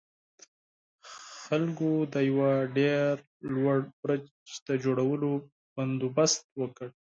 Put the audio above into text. خلکو د يوه ډېر لوړ برج د جوړولو بندوبست وکړ.